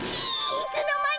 いつの間に！